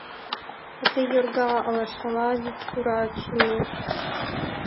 А тый йорга алашала вик тура чымет.